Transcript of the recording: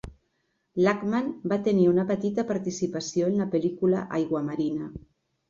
Lachman va tenir una petita participació en la pel·lícula "Aiguamarina".